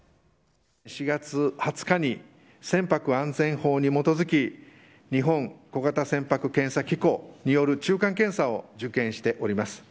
４月２０日に船舶安全法に基づき、日本小型船舶検査機構による中間検査を受検しております。